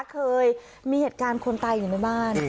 เคยมีเหตุการณ์คนตายอยู่ในบ้าน